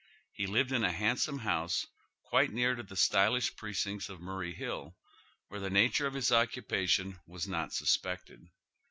He lived in a handsome house quite near to the stylish pi'ecincts of Murray Hill, where the nature of his occupa tion was not suspected.